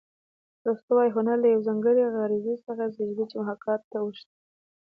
ارستو وايي هنر له یوې ځانګړې غریزې څخه زېږېدلی چې محاکات ته اوښتې